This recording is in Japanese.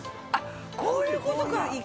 こういうことか。